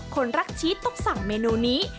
คนรักชีสต้องสั่งเมนูนี้